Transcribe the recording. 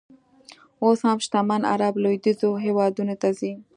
اوس هم شتمن عر ب لویدیځو هېوادونو ته ځي.